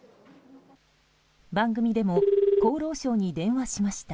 番組でも厚労省に電話しました。